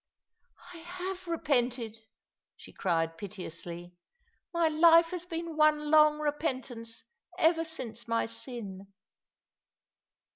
" I have repented," she cried piteously. " My life has been one long repentance ever since my sin."